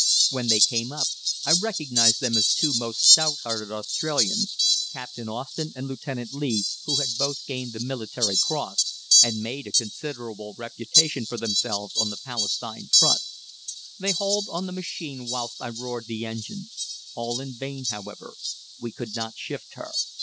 When they came up I recognized them as two most stout hearted Australians, Captain Austin and Lieutenant Lee, who had both gained the Military Cross, and made a considerable reputation for themselves on the Palestine front. They hauled on the machine whilst I roared the engine. All in vain, however; we could not shift her.